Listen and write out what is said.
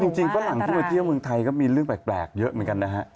ฝรั่งที่มาเที่ยวเมืองไทยก็มีเรื่องแปลกเยอะเหมือนกันนะฮะ